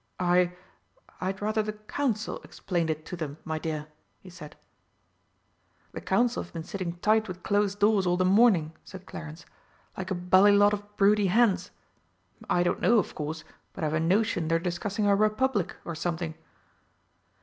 "I I'd rather the Council explained it to them, my dear," he said. "The Council have been sitting tight with closed doors all the morning," said Clarence, "like a bally lot of broody hens. I don't know, of course, but I've a notion they're discussing a Republic or something."